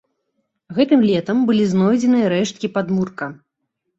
Гэтым летам былі знойдзеныя рэшткі падмурка.